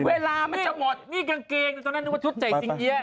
เวลามันจะหมดนี่กางเกงแกนี่ละไงว่าชุดใส่วี้